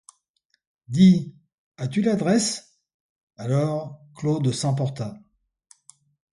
Dis, as-tu l'adresse?» Alors, Claude s'emporta.